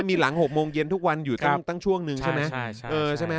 มีหลัง๖โมงเย็นทุกวันอยู่ตั้งช่วงหนึ่งใช่ไหม